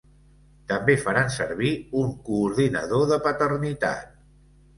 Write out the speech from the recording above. També faran servir un coordinador de paternitat.